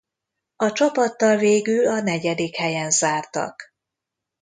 A csapattal végül a negyedik helyen zártak.